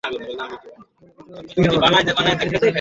তোমার প্রতিপালকের বাহিনী সম্পর্কে একমাত্র তিনিই জানেন।